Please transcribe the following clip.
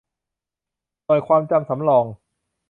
หน่วยความจำสำรอง